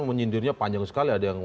menyindirnya panjang sekali